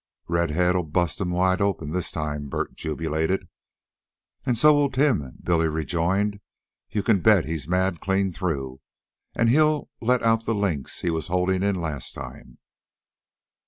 "Red head'll bust himself wide open this time," Bert jubilated. "An' so will Tim," Billy rejoined. "You can bet he's mad clean through, and he'll let out the links he was holdin' in last time."